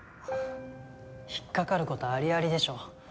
引っかかる事ありありでしょ。